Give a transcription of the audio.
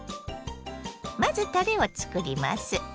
まずたれをつくります。